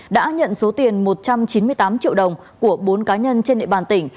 đã nhận số tiền một trăm chín mươi tám triệu đồng của bốn cá nhân trên địa bàn tỉnh